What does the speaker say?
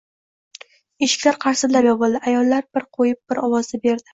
Eshiklar qarsillab yopildi. Ayollar biri qo‘yib, biri ovoz berdi: